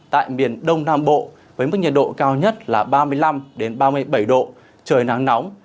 tại miền đông nam bộ với mức nhiệt độ cao nhất là ba mươi năm ba mươi bảy độ trời nắng nóng